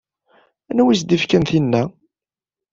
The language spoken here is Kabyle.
Anwa i as-d-ifkan tinna?